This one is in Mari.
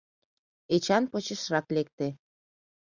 Эчан почешрак лекте.